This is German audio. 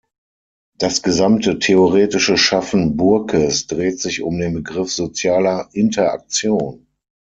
Das gesamte theoretische Schaffen Burkes dreht sich um den Begriff sozialer Interaktion.